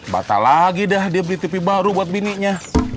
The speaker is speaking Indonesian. batal lagi dah dia beli tv baru buat bininya